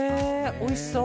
おいしそう。